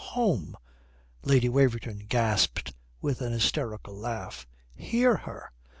"Home!" Lady Waverton gasped with an hysterical laugh. "Hear her!"